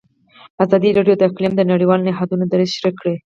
ازادي راډیو د اقلیم د نړیوالو نهادونو دریځ شریک کړی.